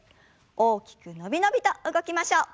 大きくのびのびと動きましょう。